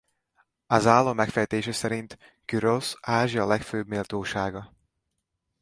Az álom megfejtése szerint Kürosz Ázsia legfőbb méltósága.